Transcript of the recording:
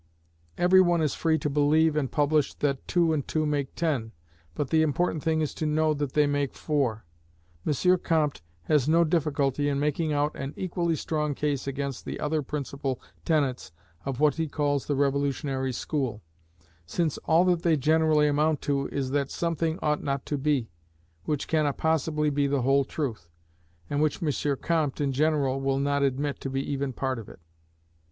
Every one is free to believe and publish that two and two make ten, but the important thing is to know that they make four. M. Comte has no difficulty in making out an equally strong case against the other principal tenets of what he calls the revolutionary school; since all that they generally amount to is, that something ought not to be: which cannot possibly be the whole truth, and which M. Comte, in general, will not admit to be even part of it.